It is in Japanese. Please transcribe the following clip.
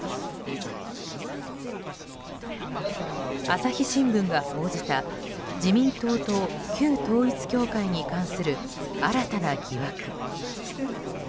朝日新聞が報じた自民党と旧統一教会に関する新たな疑惑。